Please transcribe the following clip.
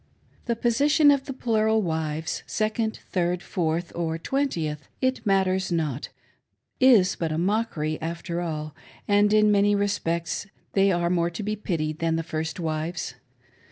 The position of the plural wives — second, third, fourth, or twentieth, it matters not — is but a mockery, after all ; and in ipany respects they are more to be pitied than the first wives.